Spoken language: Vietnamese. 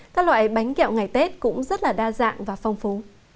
các loại bánh kẹo ngày tết cũng rất là đa dạng và phong phú